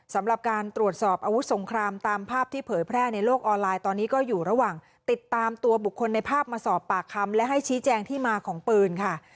สำหรับการตรวจสอบอาวุธสงครามตามภาพที่เผยแพร่ในโลกออนไลน์ตอนนี้ก็อยู่ระหว่างติดตามตัวบุคคลในภาพมาสอบปากคำและให้ชี้แจงที่มาของปืนค่ะ